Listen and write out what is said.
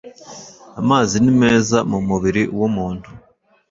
Amazi nimeza mu mubiri w’umuntu